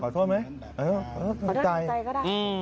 ขอโทษไหมขอโทษทางใจก็ได้